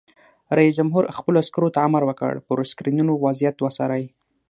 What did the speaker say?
رئیس جمهور خپلو عسکرو ته امر وکړ؛ پر سکرینونو وضعیت وڅارئ!